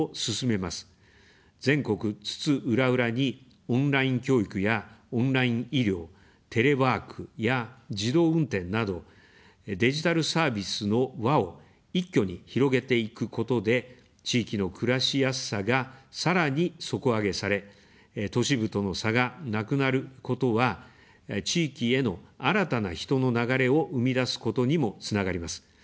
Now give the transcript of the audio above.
全国津々浦々に、オンライン教育やオンライン医療、テレワークや自動運転など、デジタルサービスの輪を一挙に広げていくことで、地域の暮らしやすさが、さらに底上げされ、都市部との差がなくなることは、地域への新たな人の流れを生み出すことにもつながります。